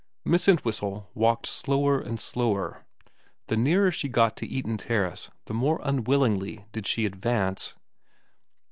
Miss Entwhistle walked slower and slower. The nearer she got to Eaton Terrace the more unwillingly did she advance.